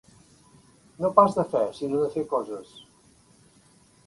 No pas de fe, sinó de fer coses.